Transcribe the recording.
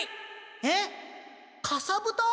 えっかさぶた？